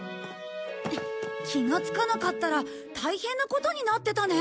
気がつかなかったら大変なことになってたね。